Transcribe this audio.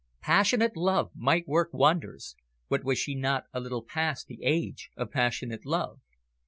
Passionate love might work wonders, but was she not a little past the age of passionate love?